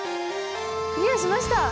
クリアしました。